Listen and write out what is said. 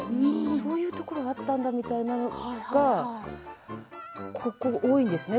そういうところがあったんだみたいなところがここのところ多いんですね。